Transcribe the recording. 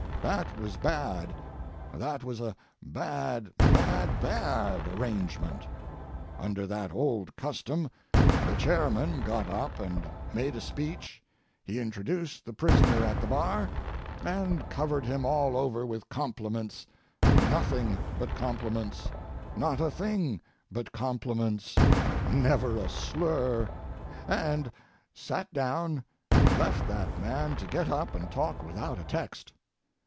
That was bad that was a bad, bad, bad arrangement. Under that old custom the chairman got up and made a speech, he introduced the prisoner at the bar, and covered him all over with compliments, nothing but compliments, not a thing but compliments, never a slur, and sat down and left that man to get up and talk without a text.